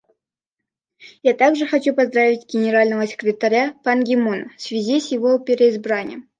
Я также хочу поздравить Генерального секретаря Пан Ги Муна в связи с его переизбранием.